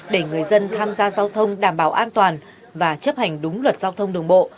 để người dân tham gia giao thông đảm bảo an toàn và chấp hành đúng luật giao thông đường bộ